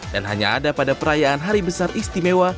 dan hanya ada pada perayaan hari besar istimewa